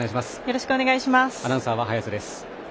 アナウンサーは早瀬です。